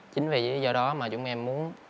chính vì lý do đó mà chúng em muốn